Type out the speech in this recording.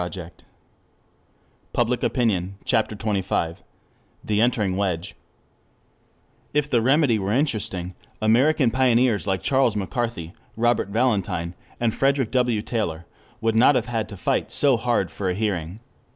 THE APPEAL TO REASON CHAPTER XXV THE ENTERING WEDGE 1 If the remedy were interesting, American pioneers like Charles McCarthy, Robert Valentine, and Frederick W. Taylor would not have had to fight so hard for a hearing.